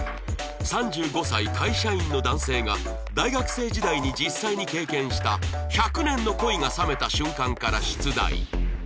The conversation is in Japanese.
３５歳会社員の男性が大学生時代に実際に経験した１００年の恋が冷めた瞬間から出題